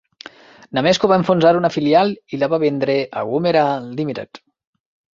Namesco va enfonsar una filial i la va vendre a Womerah Limited.